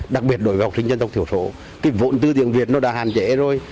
đặc biệt đối với học sinh dân tộc thiểu sổ cái vộn tư tiện việt nó đã hàn trễ rồi